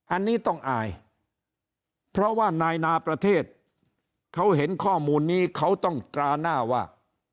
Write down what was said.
อันนี้ต้องอายเพราะว่านายนาประเทศเขาเห็นข้อมูลนี้เขาต้องตราหน้าว่า